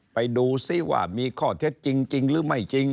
ไปดูซิว่ามีข้อเท็จจริงหรือไม่จริง